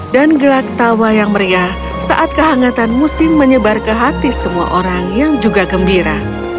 dan gelak tawa yang meriah saat kehangatan musim menyebar ke hati semua orang yang juga gembira